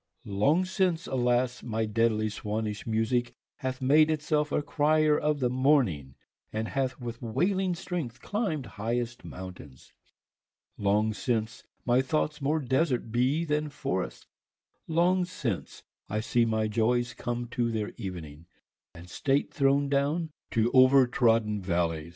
Long since alas y my deadly Swannish musique Hath made it selfe a crier of the morning y And hath with wailing stregth clim'd highest mountaines : Long since my thoughts more desert be then forrests : Long since I see my joyes come to their evening y And state throwen downe to over troden v allies.